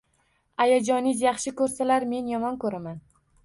Ayajoniz yaxshi koʻrsalar, men yomon koʻraman.